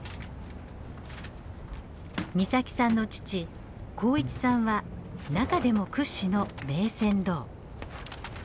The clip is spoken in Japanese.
岬さんの父幸一さんは中でも屈指の名船頭。